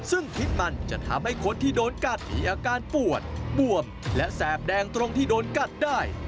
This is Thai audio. ซึ่งพิษมันจะทำให้คนที่โดนกัดมีอาการปวดบวมและแสบแดงตรงที่โดนกัดได้